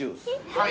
はい。